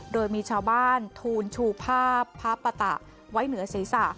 โดยมีชาวบ้านทูลชูภาพพระปะตะไว้เหนือศีรษะ